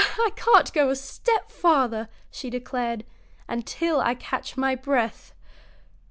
"I can't go a step farther," she declared, "until I catch my breath."